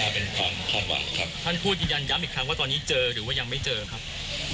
เป็นความหวังครับท่านพูดยืนยันย้ำอีกครั้งว่าตอนนี้เจอหรือว่ายังไม่เจอครับ